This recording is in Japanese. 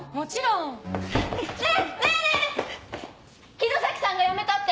木之崎さんが辞めたって！